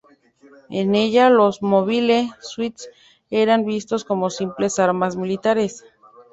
En ella, los mobile suits eran vistos como simples armas militares.